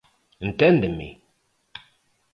¿Enténdeme?